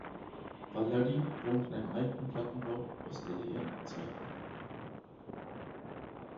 Valerie wohnt in einem alten Plattenbau aus DDR-Zeiten.